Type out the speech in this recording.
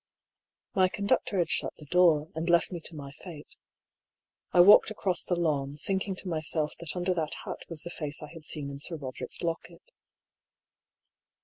My conductor had shut the door, and left me to my fate. I walked across the lawn, thinking to myself that under that hat was the face I had seen in Sir Roderick's locket.